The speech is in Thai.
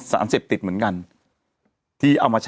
มีสารตั้งต้นเนี่ยคือยาเคเนี่ยใช่ไหมคะ